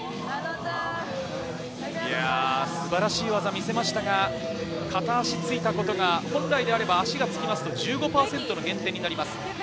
素晴らしい技を見せましたが、片足がついたことが本来であれば足がつくと１５％減点になります。